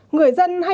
người dân hay